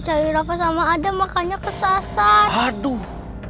cari rafa sama ada makanya kesasar aduh